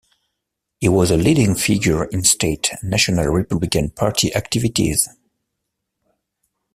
He was a leading figure in state and national Republican Party activities.